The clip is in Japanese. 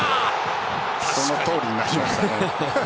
そのとおりになりましたね。